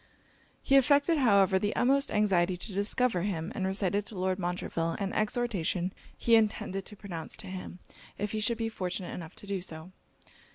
He affected, however, the utmost anxiety to discover him; and recited to Lord Montreville an exhortation he intended to pronounce to him, if he should be fortunate enough to do so.